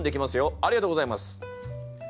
ありがとうございます！